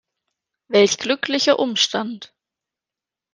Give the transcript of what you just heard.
Welch glücklicher Umstand!